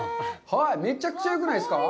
めちゃくちゃよくないですか？